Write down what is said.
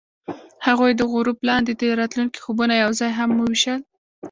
هغوی د غروب لاندې د راتلونکي خوبونه یوځای هم وویشل.